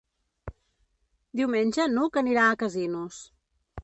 Diumenge n'Hug anirà a Casinos.